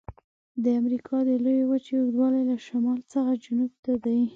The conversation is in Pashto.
د امریکا د لویې وچې اوږدوالی له شمال څخه جنوب ته دی.